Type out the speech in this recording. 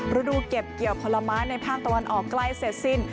ฤดูเก็บเกี่ยวผลไม้ในภาคตะวันออกใกล้เสร็จสิ้น